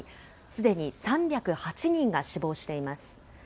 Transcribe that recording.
すでに３０８人が死亡しています。